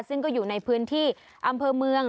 ซึ่งก็อยู่ในพื้นที่อำเภอเมือง